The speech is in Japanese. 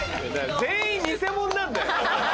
全員偽者なんだよ。